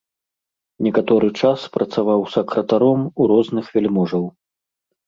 Некаторы час працаваў сакратаром у розных вяльможаў.